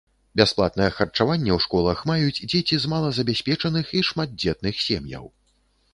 Бясплатнае харчаванне ў школах маюць дзеці з малазабяспечаных і шматдзетных сем'яў.